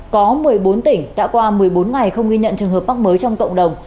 có một mươi bốn tỉnh đã qua một mươi bốn ngày không ghi nhận trường hợp mắc mới trong cộng đồng